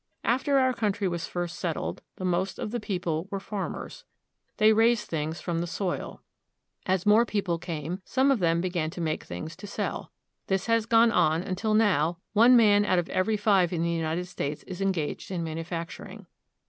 After our country was first settled the most of the peo ple were farmers. They raised things from the soil. As more people came, some c[ them began to make things to sell. This has gone on until now one man out of every five in the United States is engaged in manufacturing.